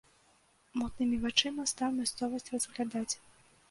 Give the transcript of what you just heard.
Мутнымі вачыма стаў мясцовасць разглядаць.